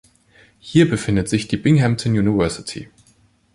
Hier befindet sich die Binghamton University.